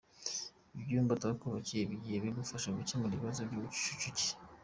Ibyumba batwubakiye bigiye kudufasha gukemura ikibazo cy’ubucucuke.